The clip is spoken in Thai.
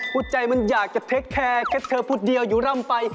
หัวใจมันอยากจะเทคแคร์แค่เธอพูดเดียวอยู่ร่ำไป